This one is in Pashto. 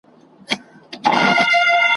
بس تر مرګه به مو هلته یارانه وي `